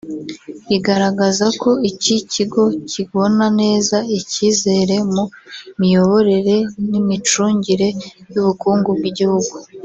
rigaragaza ko iki kigo kibona neza icyizere mu miyoborere n’imicungire y’ubukungu bw’igihugu